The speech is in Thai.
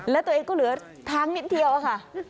แล้วตัวเองก็เหลือทางนิดเดียวค่ะ